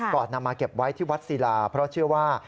นำมาเก็บไว้ที่วัดศิลาเพราะเชื่อว่า